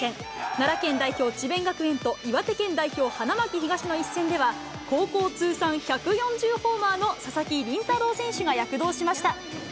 奈良県代表、智弁学園と岩手県代表、花巻東の一戦では、高校通算１４０ホーマーの佐々木麟太郎選手が躍動しました。